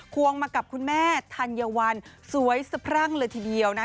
ควงมากับคุณแม่ธัญวัลสวยสะพรั่งเลยทีเดียวนะ